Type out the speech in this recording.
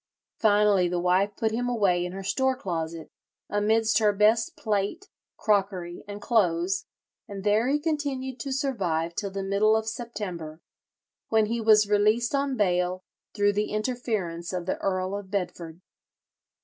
Finally the wife put him away in her store closet, amidst her best plate, crockery, and clothes, and there he continued to survive till the middle of September, when he was released on bail through the interference of the Earl of Bedford."